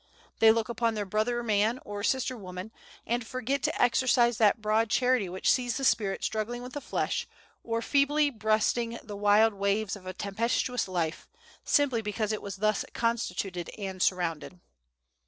They look upon their brother man or sister woman, and forget to exercise that broad charity which sees the spirit struggling with the flesh, or feebly breasting the wild waves of a tempestuous life, simply because it was thus constituted and surrounded.